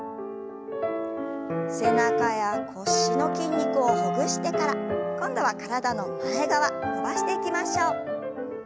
背中や腰の筋肉をほぐしてから今度は体の前側伸ばしていきましょう。